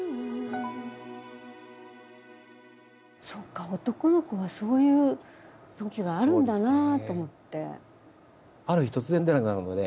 そっか男の子はそういうときがあるんだなあと思って。